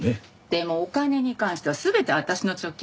でもお金に関しては全て私の貯金。